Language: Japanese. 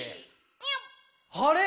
「あれ？